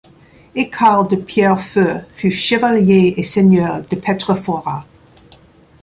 Aycard de Pierrefeu fut chevalier et seigneur de Petra Fora.